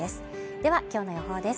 では、今日の予報です。